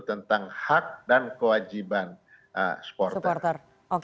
tentang hak dan kewajiban supporter